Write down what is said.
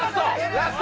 ラスト！